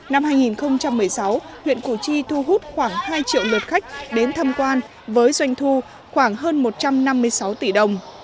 năm hai nghìn một mươi sáu huyện củ chi thu hút khoảng hai triệu lượt khách đến thăm quan với doanh thu khoảng hơn một trăm năm mươi sáu tỷ đồng